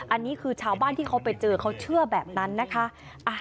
อันนี้คือชาวบ้านที่เขาไปเจอเขาเชื่อแบบนั้นนะคะ